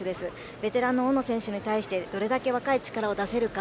ベテランの大野選手に対してどれだけ若い力を出せるか。